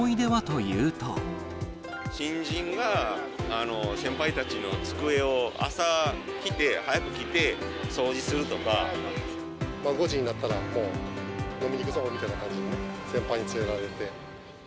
新人が先輩たちの机を、朝来て、５時になったら、もう飲みにいくぞみたいな感じで、先輩に連れられて。